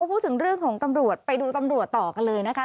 พูดถึงเรื่องของตำรวจไปดูตำรวจต่อกันเลยนะคะ